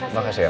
makasih ya mas